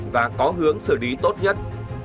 và có hướng xử lý tốt nhất